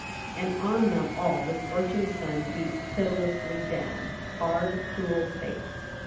And on them all the scorching sun beats pitilessly down. Hard, cruel fate!